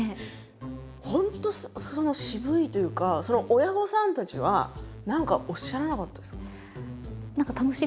本当その渋いというか親御さんたちは何かおっしゃらなかったですか？